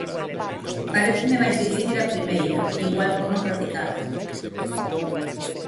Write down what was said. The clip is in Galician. Paréceme máis difícil a primeira, igual por non practicala.